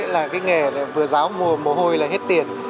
là cái nghề vừa giáo mồ hôi